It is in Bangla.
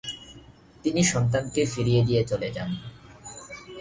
তিনি সন্তানকে ফিরিয়ে দিয়ে চলে যান।